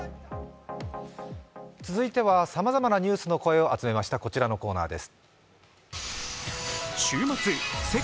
続いてはさまざまなニュースの声を集めましたこちらのコーナーです。